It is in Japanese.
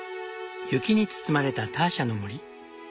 雪に包まれたターシャの森。